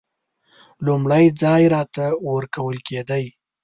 لومړی ځای راته ورکول کېدی.